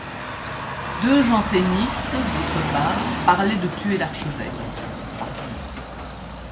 Deux jansénistes d'autre part parlaient de tuer l'archevêque (Barbier).